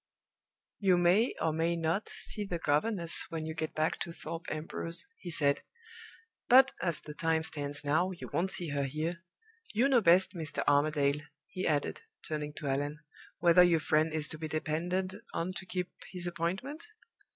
"You may, or may not, see the governess when you get back to Thorpe Ambrose," he said; "but, as the time stands now, you won't see her here. You know best, Mr. Armadale," he added, turning to Allan, "whether your friend is to be depended on to keep his appointment?"